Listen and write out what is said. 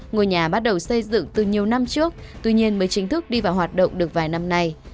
ngôi nhà bắt đầu xây dựng từ nhiều năm trước tuy nhiên mới chính thức đi vào hoạt động được vài năm nay